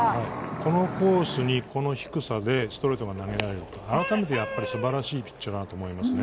このコースに、この低さでストレートが投げられるというのは改めて素晴らしいピッチャーだなと思います。